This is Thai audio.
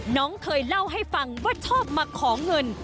น้องเคยเล่าให้ฟังว่าชอบมาขอเงิน